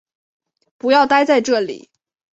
不要待在这里